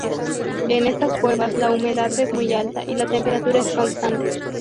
En estas cuevas la humedad es muy alta, y la temperatura es constante.